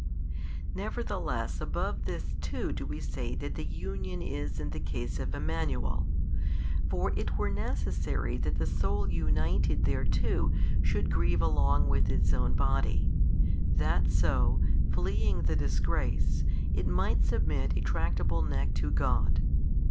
Nevertheless above this too do we say that the union is in the case of Emmanuel. For it were necessary that the soul united thereto should grieve along with its own body, that so, fleeing the disgrace, it might submit a tractable neck to God.